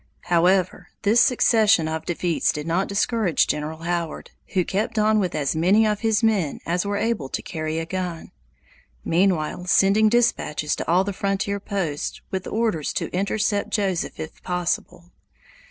However, this succession of defeats did not discourage General Howard, who kept on with as many of his men as were able to carry a gun, meanwhile sending dispatches to all the frontier posts with orders to intercept Joseph if possible.